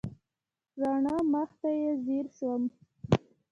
راڼه مخ ته یې ځېر شوم.